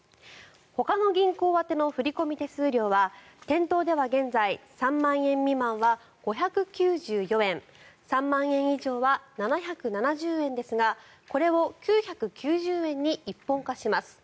ほかの銀行宛ての振込手数料は店頭では現在３万円未満は５９４円３万円以上は７７０円ですがこれを９９０円に一本化します。